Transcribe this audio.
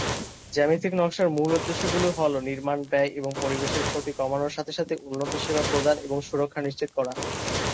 জ্যামিতিক নকশার মূল উদ্দেশ্যগুলি হ'ল নির্মাণ ব্যয় এবং পরিবেশের ক্ষতি কমানোর সাথে সাথে উন্নত সেবা প্রদান এবং সুরক্ষা নিশ্চিত করা।